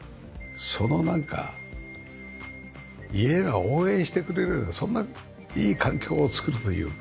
そのなんか家が応援してくれるようなそんないい環境を作るというか。